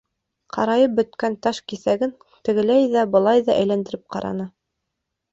Ҡарайып бөткән таш киҫәген тегеләй ҙә, былай ҙа әйләндереп ҡараны.